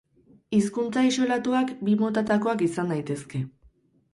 Hizkuntza isolatuak bi motatakoak izan daitezke.